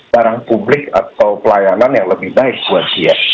barang publik atau pelayanan yang lebih baik buat dia